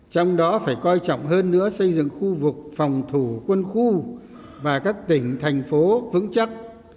trong đó phải coi trọng hơn nữa xây dựng khu vực phòng thủ quân khu và các tỉnh thành phố vững chắc